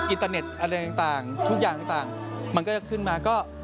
อินเตอร์เน็ตอะไรต่างทุกอย่างต่างมันก็จะขึ้นมาก็